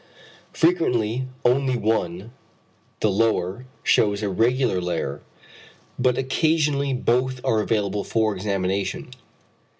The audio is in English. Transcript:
Frequently only one, the lower, shews a regular layer, but occasionally both are available for examination.